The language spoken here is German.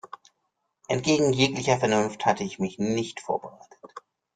Entgegen jeglicher Vernunft hatte ich mich nicht vorbereitet.